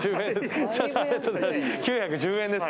９１０円です。